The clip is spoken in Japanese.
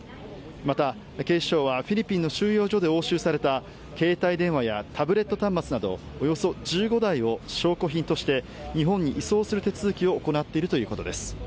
また、警視庁はフィリピンの収容所で押収された携帯電話やタブレット端末などおよそ１５台を証拠品として日本に移送する手続きを行っているということです。